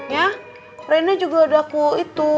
ya reinnya juga udah aku itu